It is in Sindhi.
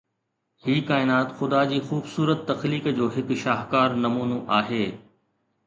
هي ڪائنات خدا جي خوبصورت تخليق جو هڪ شاهڪار نمونو آهي